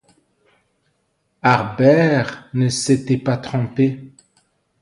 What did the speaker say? Harbert ne s’était pas trompé.